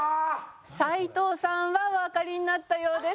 斉藤さんはおわかりになったようです。